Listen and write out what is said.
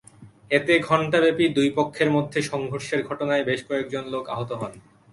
এতে ঘণ্টাব্যাপী দুই পক্ষের মধ্যে সংঘর্ষের ঘটনায় বেশ কয়েকজন লোক আহত হন।